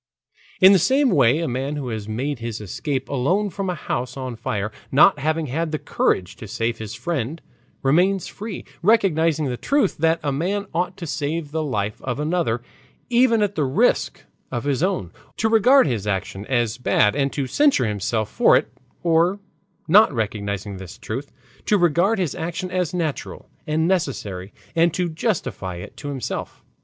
In the same way a man who has made his escape alone from a house on fire, not having had the courage to save his friend, remains free, recognizing the truth that a man ought to save the life of another even at the risk of his own, to regard his action as bad and to censure himself for it, or, not recognizing this truth, to regard his action as natural and necessary and to justify it to himself.